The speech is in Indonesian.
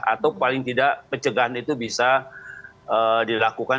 atau paling tidak pencegahan itu bisa dilakukan